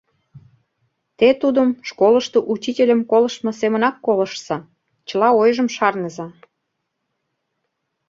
Те тудым школышто учительым колыштмо семынак колыштса, чыла ойжым шарныза.